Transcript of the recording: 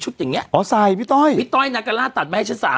ใช่ต้อยที่ต้อยมาให้เยอะเลยอ่ะ